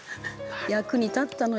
役に立ったのよ。